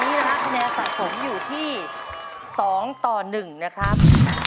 ตอนนี้คณะสะสมอยู่ที่๒ต่อ๑นะครับ